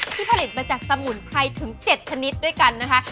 ผลิตมาจากสมุนไพรถึง๗ชนิดด้วยกันนะคะ